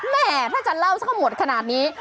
แม่ถ้าจะเล่าสักเข้าหมดขนาดนี้